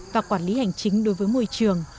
và quản lý hành chính đối với môi trường